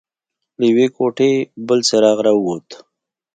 له يوې کوټې بل څراغ راووت.